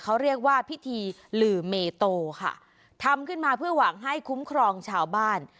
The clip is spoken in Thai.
เขาเรียกว่าพิธีหลือเมโตค่ะทำขึ้นมาเพื่อหวังให้คุ้มครองชาวบ้าน